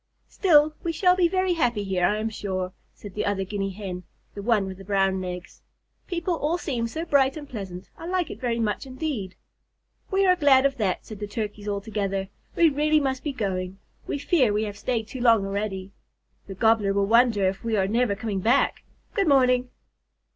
"Still, we shall be very happy here, I am sure," said the other Guinea Hen, the one with the brown legs. "People all seem so bright and pleasant. I like it very much indeed." "We are glad of that," said the Turkeys all together. "We really must be going. We fear we have stayed too long already. The Gobbler will wonder if we are never coming back. Good morning."